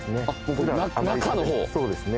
この中のほうそうですね